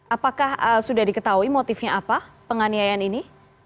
apakah sudah diketahui motifnya apa penganiayaan ini